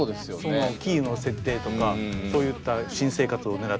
キーの設定とかそういった新生活をねらってとか。